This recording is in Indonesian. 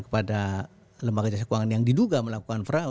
kepada lembaga jasa keuangan yang diduga melakukan perahu